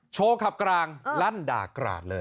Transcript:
โชว์ขับกลางลั่นด่ากราดเลย